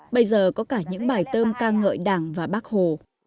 bây giờ có cả những bài tôm ca ngợi đảng và bác hồ